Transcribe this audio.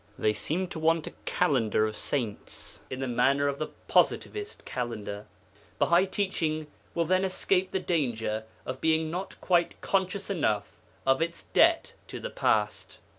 They seem to want a calendar of saints in the manner of the Positivist calendar. Bahai teaching will then escape the danger of being not quite conscious enough of its debt to the past.